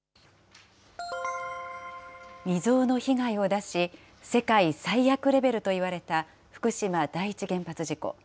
未曽有の被害を出し、世界最悪レベルといわれた福島第一原発事故。